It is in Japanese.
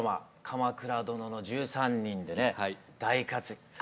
「鎌倉殿の１３人」でね大活躍。